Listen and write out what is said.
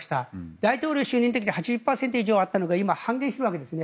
大統領就任の時は８０％以上あったのが今は半減しているんですね。